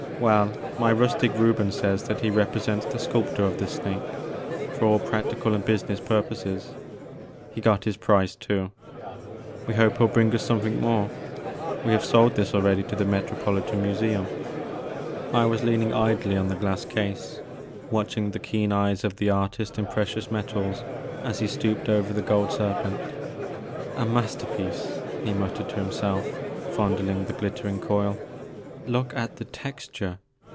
Well, my rustic Reuben says that he represents the sculptor of this snake for all practical and business purposes. He got his price too. We hope he '11 bring us something more. We have sold this already to the Metropolitan Museum." The Maker of Moons, 3 I was leaning idly on the glass case, watching the keen eyes of the artist in precious metals as he stooped over the gold serpent. A masterpiece !" he muttered to himself, fondling the glittering coil ;look at the texture